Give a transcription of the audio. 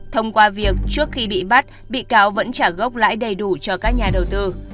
thông qua việc trước khi bị bắt bị cáo vẫn trả gốc lãi đầy đủ cho các nhà đầu tư